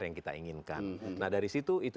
yang kita inginkan nah dari situ itu